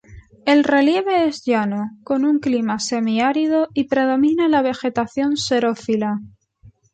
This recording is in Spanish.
El relieve es llano, con un clima semiárido y predomina la vegetación xerófila.